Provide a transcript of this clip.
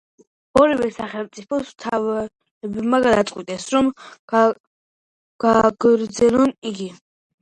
ორივე სახელმწიფოს მთავრობებმა გადაწყვიტეს არ გააგრძელონ იგი.